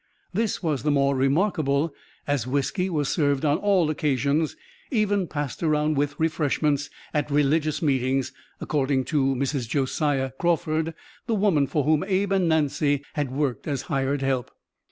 This was the more remarkable, as whisky was served on all occasions even passed around with refreshments at religious meetings, according to Mrs. Josiah Crawford, the woman for whom Abe and Nancy had worked as hired help.